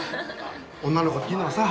女の子っていうのはさ